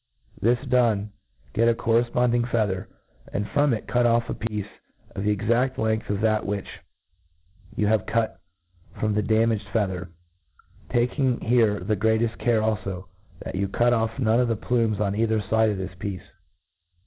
This done^ get a corre^nding feather, and from it cut off a piece, of the. exadk length of that which ' you have cut from the damaged feather, taking here the greateft care alio that you cut off none of the plumes on either fide of this piece.